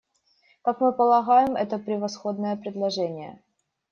Как мы полагаем, это превосходное предложение.